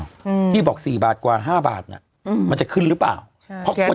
อืมที่บอกสี่บาทกว่าห้าบาทน่ะอืมมันจะขึ้นหรือเปล่า